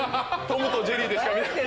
『トムとジェリー』でしか見ない。